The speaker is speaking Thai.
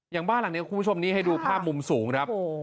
อย่างบ้านหลังนี้คุณผู้ชมนี้ให้ดูภาพมุมสูงครับ